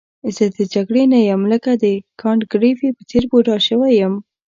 زه د جګړې نه یم لکه د کانت ګریفي په څېر بوډا شوی یم.